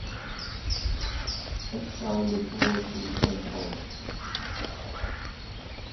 It sounded all too simple.